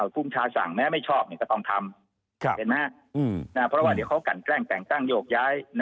ภูมิชาสั่งแม้ไม่ชอบก็ต้องทำเพราะว่าเดี๋ยวเขากันแกล้งแต่งตั้งโยกย้าย